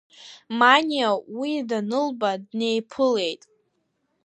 Маниа уи данылба, днеиԥылеит.